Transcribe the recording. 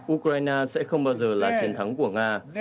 ukraine sẽ không bao giờ là chiến thắng của nga